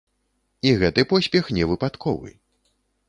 І гэты поспех невыпадковы.